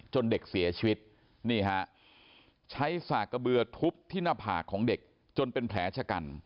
เด็กเสียชีวิตนี่ฮะใช้สากกระเบือทุบที่หน้าผากของเด็กจนเป็นแผลชะกัน